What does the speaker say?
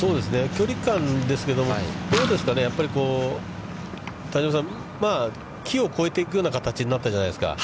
距離感ですけども、どうですかね、やっぱりこう、田島さん、木を越えていくような形になったじゃないですか。